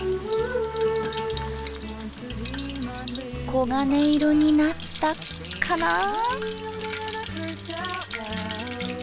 黄金色になったかなぁ？